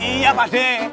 iya pak dek